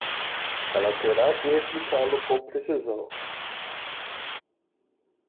Ela terá que replicá-lo com precisão.